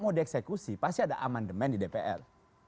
mau dieksekusi pasti ada amandemen di dpr